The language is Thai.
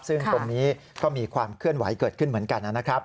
ซึ่งตรงนี้ก็มีความเคลื่อนไหวเกิดขึ้นเหมือนกันนะครับ